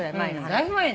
だいぶ前ね。